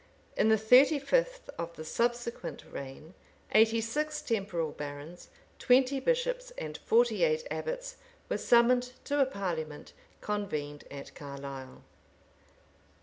[] In the thirty fifth of the subsequent reign, eighty six temporal barons, twenty bishops, and forty eight abbots, were summoned to a parliament convened at Carlisle.